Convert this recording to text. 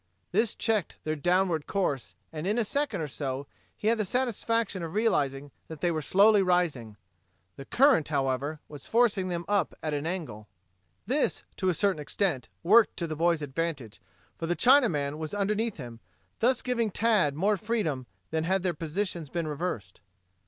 This checked their downward course and in a second or so he had the satisfaction of realizing that they were slowly rising. The current, however, was forcing them up at an angle. This, to a certain extent, worked to the boy's advantage, for the Chinaman was underneath him, thus giving Tad more freedom than had their positions been reversed.